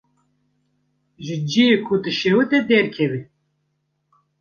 Ji ciyê ku dişewite derkeve.